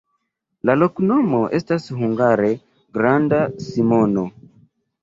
La loknomo estas hungare: granda Simono.